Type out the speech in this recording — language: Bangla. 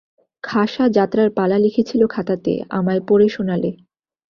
খাসা যাত্রার পালা লিখেছিল খাতাতে, আমায় পড়ে শোনালে।